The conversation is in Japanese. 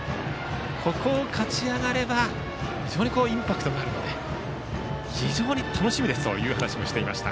ここを勝ち上がれば非常にインパクトがあるので非常に楽しみですという話をしていました。